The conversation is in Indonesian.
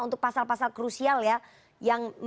untuk pasal pasal krusial ya